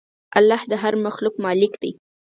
الله د هر مخلوق مالک دی.